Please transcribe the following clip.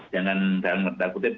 jangan dalam merdak putih